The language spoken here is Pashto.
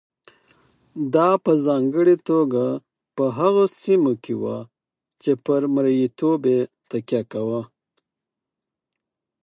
دا په ځانګړې توګه په هغو سیمو کې وه چې پر مریتوب تکیه وه.